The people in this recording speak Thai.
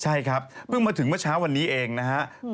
ใช่ครับเพิ่งมาถึงเมื่อเช้าวันนี้เองนะครับ